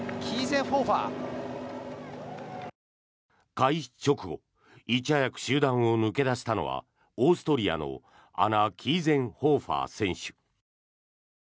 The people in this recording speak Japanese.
開始直後いち早く集団を抜け出したのはオーストリアのアナ・キーゼンホーファー選手。